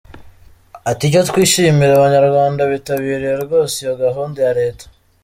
Ati “Icyo twishimira, Abanyarwanda bitabiriye rwose iyo gahunda ya leta.